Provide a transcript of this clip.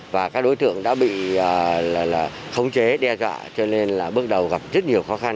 và các đối tượng đã bị khống chế đe dọa cho nên là bước đầu gặp rất nhiều khó khăn